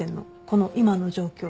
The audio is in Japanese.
この今の状況。